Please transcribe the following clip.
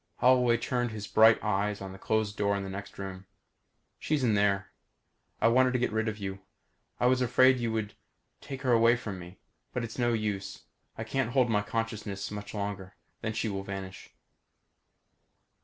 Holloway turned his burning eyes on the closed door to the next room. "She's in there. I wanted to get rid of you. I was afraid you would take her away from me. But it's no use. I can't hold my consciousness much longer. Then she will vanish."